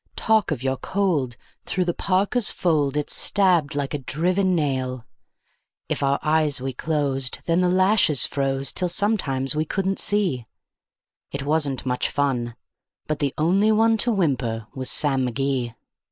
Talk of your cold! through the parka's fold it stabbed like a driven nail. If our eyes we'd close, then the lashes froze till sometimes we couldn't see; It wasn't much fun, but the only one to whimper was Sam McGee.